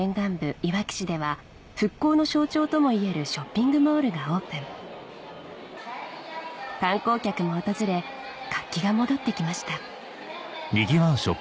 いわき市では復興の象徴ともいえるショッピングモールがオープン観光客も訪れ活気が戻ってきました